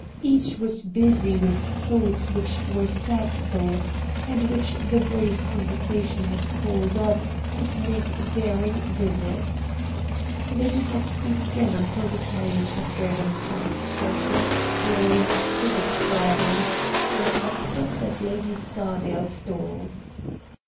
Each was busy with thoughts which were sad thoughts, and which the brief con versation had called up and made very vivid. They did not speak again until the carriage had driven past Sir Hans Sloane's Physic Garden and had stopped at Lady Scardale's door.